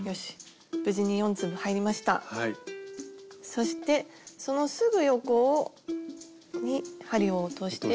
そしてそのすぐ横に針を落として。